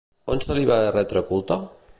On se li va retre culte?